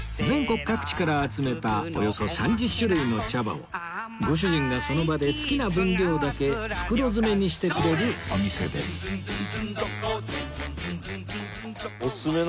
全国各地から集めたおよそ３０種類の茶葉をご主人がその場で好きな分量だけ袋詰めにしてくれるお店です